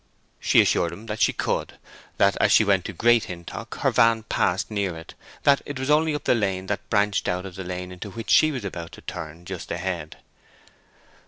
She assured him that she could—that as she went to Great Hintock her van passed near it—that it was only up the lane that branched out of the lane into which she was about to turn—just ahead.